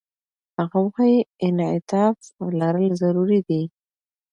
هغه وايي، انعطاف لرل ضروري دي.